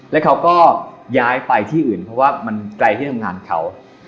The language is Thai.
แล้วเขาก็ย้ายไปที่อื่นเพราะว่ามันไกลที่ทำงานเขา